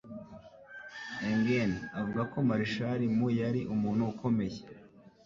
Engen avuga ko Marshall mu yari umuntu ukomeye